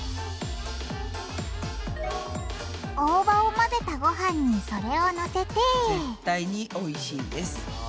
大葉を混ぜたごはんにそれをのせて絶対においしいです。